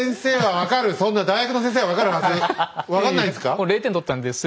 分かんないんですか？